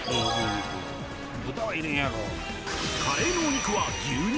カレーのお肉は牛肉？